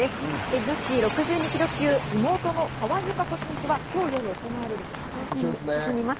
女子６２ｋｇ級、妹の川井友香子選手は今日夜行われる決勝戦へ進みます。